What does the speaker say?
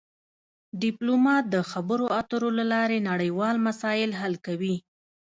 ډیپلومات د خبرو اترو له لارې نړیوال مسایل حل کوي